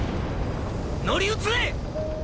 乗り移れ！